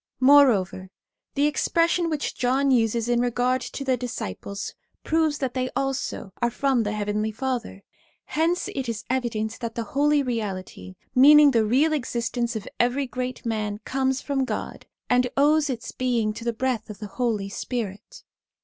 Moreover, the expression which John uses in regard to the disciples, proves that they also are from the Heavenly Father. Hence it is evident that the holy reality, meaning the real existence of every great man, comes from God, and owes its being to the breath of the Holy Spirit.